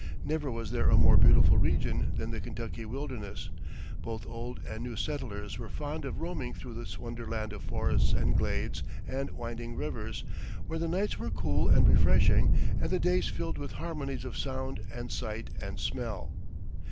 Never was there a more beautiful region than the Kentucky wilderness. Both old and new settlers were fond of roaming through this wonderland of forests and glades and winding rivers, where the nights were cool and refreshing and the days filled with harmonies of sound and sight and smell.